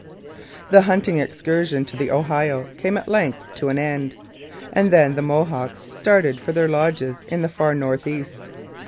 The hunting excursion to the Ohio came at length to an end, and then the Mohawks started for their lodges in the far north east.